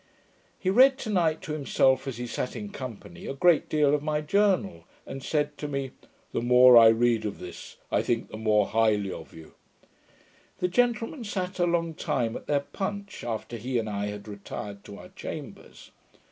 He read to night, to himself, as he sat in company, a great deal of my Journal, and said to me, 'The more I read of this, I think the more highly of you.' The gentlemen sat a long time at their punch, after he and I had retired to our chambers.